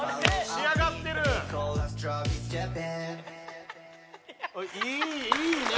仕上がってるいいね